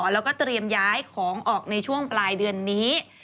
แล้วก็เตรียมย้ายของออกในช่วงปลายเดือนนี้